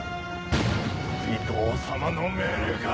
伊藤様の命令か！